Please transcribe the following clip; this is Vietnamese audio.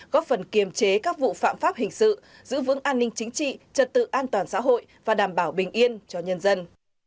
góp phần kiềm chế các vụ phạm pháp hình sự giữ vững an ninh chính trị trật tự an toàn xã hội và đảm bảo bình yên cho nhân dân